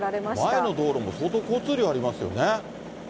前の道路も相当、交通量ありますよね。